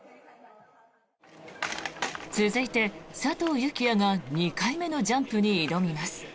続いて、佐藤幸椰が２回目のジャンプに挑みます。